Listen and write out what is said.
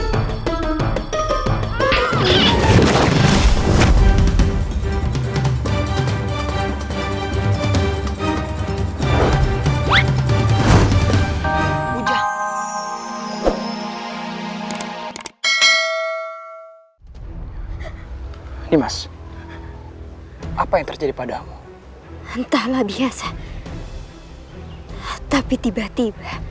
rai kian santang apa yang terjadi pada dirimu rai